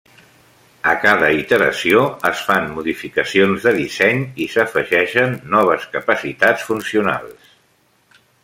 A cada iteració, es fan modificacions de disseny i s'afegeixen noves capacitats funcionals.